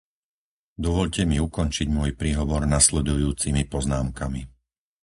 Dovoľte mi ukončiť môj príhovor nasledujúcimi poznámkami.